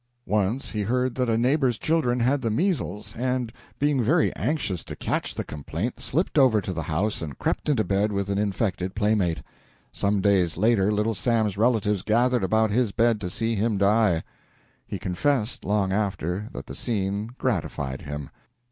Once he heard that a neighbor's children had the measles, and, being very anxious to catch the complaint, slipped over to the house and crept into bed with an infected playmate. Some days later, Little Sam's relatives gathered about his bed to see him die. He confessed, long after, that the scene gratified him.